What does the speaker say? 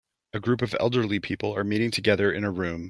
A group of elderly people are meeting together in a room.